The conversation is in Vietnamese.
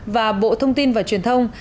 và bộ thông tin và truyền thông